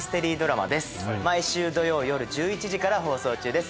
毎週土曜よる１１時から放送中です。